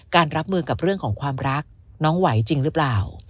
รับมือกับเรื่องของความรักน้องไหวจริงหรือเปล่า